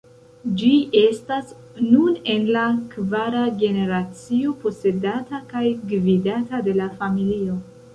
Ĝi estas nun en la kvara generacio posedata kaj gvidata de la familio.